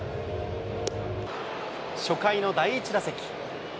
初回の第１打席。